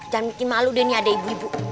jangan bikin malu deh nih ada ibu ibu